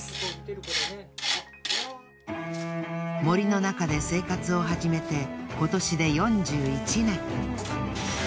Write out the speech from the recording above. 森の中で生活を始めて今年で４１年。